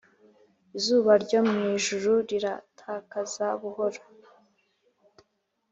izuba ryo mwijuru riratakaza buhoro.